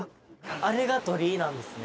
あれが鳥居なんですね。